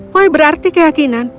foy berarti keyakinan